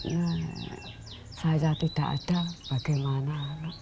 ya saya tidak ada bagaimana